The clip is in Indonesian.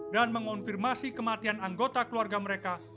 dan mengonfirmasi kematian anggota keluarga mereka